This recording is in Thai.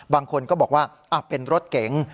บางคนก็บอกว่าเป็นรถเก๋ง